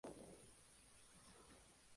El grupo quedó completamente desarticulado.